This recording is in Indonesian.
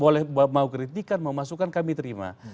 boleh mau kritikan mau masukan kami terima